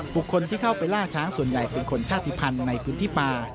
บุคคลที่เข้าไปล่าช้างส่วนใหญ่เป็นคนชาติภัณฑ์ในพื้นที่ป่า